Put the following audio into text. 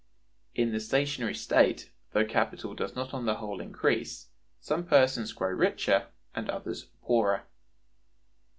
In the stationary state, though capital does not on the whole increase, some persons grow richer and others poorer.